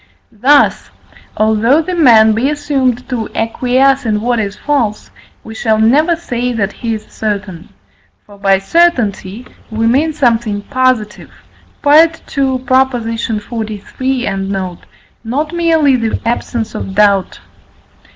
Thus, although the man be assumed to acquiesce in what is false, we shall never say that he is certain. For by certainty we mean something positive (II. xliii. and note), not merely the absence of doubt.